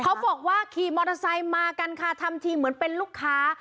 เขาบอกว่าขี่มอเตอร์ไซค์มากันค่ะทำทีเหมือนเป็นลูกค้า